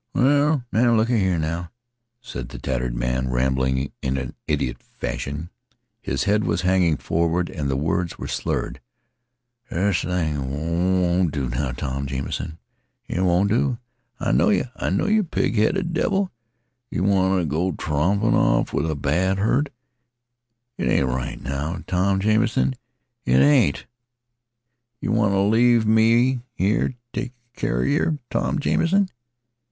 "Well, now look a here now," said the tattered man, rambling on in idiot fashion. His head was hanging forward and his words were slurred. "This thing won't do, now, Tom Jamison. It won't do. I know yeh, yeh pig headed devil. Yeh wanta go trompin' off with a bad hurt. It ain't right now Tom Jamison it ain't. Yeh wanta leave me take keer of yeh, Tom Jamison.